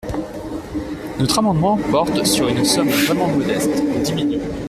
Notre amendement porte sur une somme vraiment modeste : dix millions.